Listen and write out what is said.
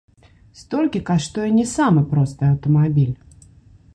Столькі каштуе не самы просты аўтамабіль!